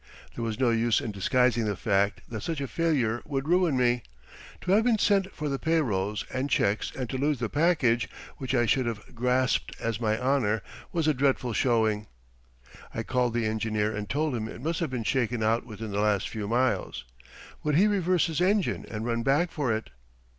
There was no use in disguising the fact that such a failure would ruin me. To have been sent for the pay rolls and checks and to lose the package, which I should have "grasped as my honor," was a dreadful showing. I called the engineer and told him it must have been shaken out within the last few miles. Would he reverse his engine and run back for it?